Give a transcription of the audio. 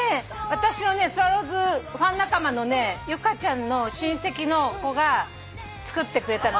私のスワローズファン仲間のねユカちゃんの親戚の子が作ってくれたの。